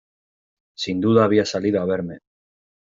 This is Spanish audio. Sin duda había salido a verme.